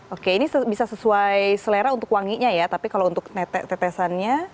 oke ini bisa sesuai selera untuk wanginya ya tapi kalau untuk tetek tetesannya